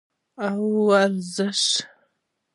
او ورزش